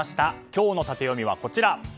今日のタテヨミは、こちら。